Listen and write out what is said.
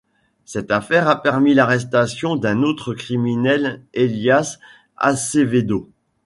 Cette affaire a permis l'arrestation d'un autre criminel, Elias Acevedo.